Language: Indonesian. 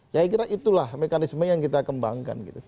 saya kira itulah mekanisme yang kita kembangkan